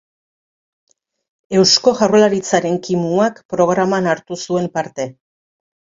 Eusko Jaurlaritzaren Kimuak programan hartu zuen parte.